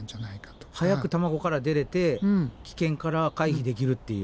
早く卵から出れて危険から回避できるっていう。